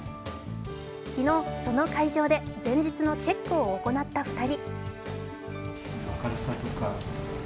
昨日、その会場で前日のチェックを行った２人。